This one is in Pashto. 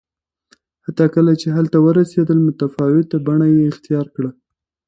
حتی کله چې هلته ورسېدل متفاوته بڼه یې اختیار کړه